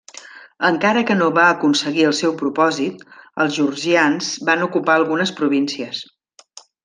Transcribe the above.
Encara que no va aconseguir el seu propòsit els georgians van ocupar algunes províncies.